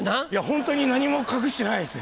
ホントに何も隠してないです。